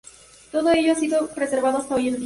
Todo ello ha sido preservado hasta hoy día.